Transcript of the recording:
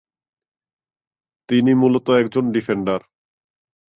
তিনি মূলত একজন ডিফেন্ডার।